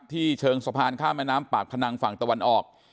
เชิงสะพานข้ามแม่น้ำปากพนังฝั่งตะวันออก